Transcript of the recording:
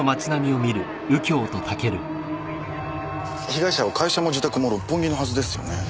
被害者は会社も自宅も六本木のはずですよね。